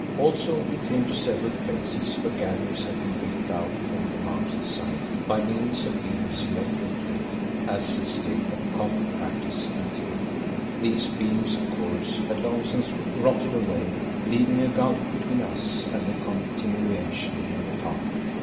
Also we came to several places where galleries had been built out from the mountain side, by means of beams let into it, as is still a common practice in Thibet. These beams of course had long since rotted away, leaving a gulf between us and the continuation of the path.